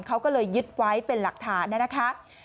เขาก็เลยยึดไว้เป็นหลักฐานนะคะ